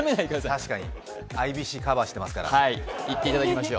確かに、ＩＢＣカバーしてますから。